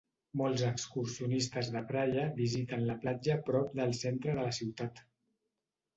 Molts excursionistes de Praia visiten la platja prop del centre de la ciutat.